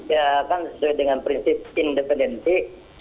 ya kan sesuai dengan prinsip independensi